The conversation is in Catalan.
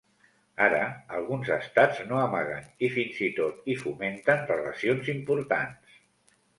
Ara, alguns estats no amaguen i fins i tot hi fomenten relacions importants.